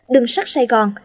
đường sắt sài gòn